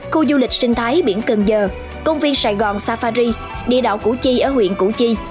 khu du lịch sinh thái biển cần giờ công viên sài gòn safari địa đạo củ chi ở huyện củ chi